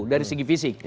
dari segi fisik